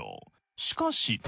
しかし。